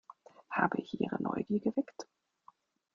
Habe ich Ihre Neugier geweckt?